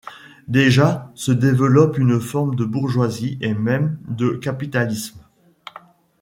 Déjà se développe une forme de bourgeoisie, et même, de capitalisme.